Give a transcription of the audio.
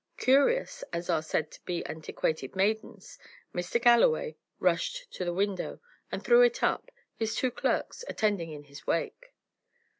Curious as are said to be antiquated maidens, Mr. Galloway rushed to the window and threw it up, his two clerks attending in his wake.